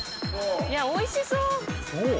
いや美味しそう！